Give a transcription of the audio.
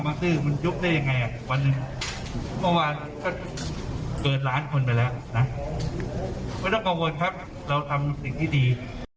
ไม่ต้องกังวลครับเราทำสิ่งที่ดี